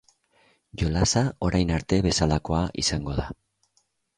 Jolasa orain arte bezalakoa izango da.